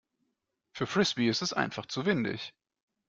Für Frisbee ist es einfach zu windig.